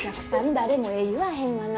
誰もええ言わへんがな。